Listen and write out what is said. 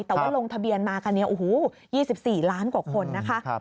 แต่ว่าลงทะเบียนมากัน๒๔ล้านกว่าคนนะคะ